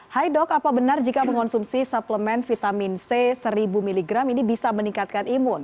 hai dok apa benar jika mengonsumsi suplemen vitamin c seribu mg ini bisa meningkatkan imun